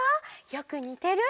よくにてる！